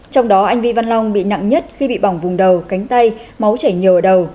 trong đó anh vi văn long bị nặng nhất khi bị bỏng vùng đầu cánh tay máu chảy nhiều ở đầu